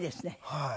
はい。